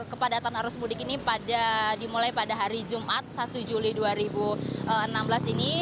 kepadatan arus mudik ini dimulai pada hari jumat satu juli dua ribu enam belas ini